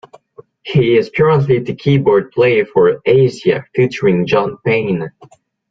He is currently the keyboard player for Asia Featuring John Payne.